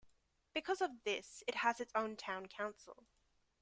Because of this it has its own town council.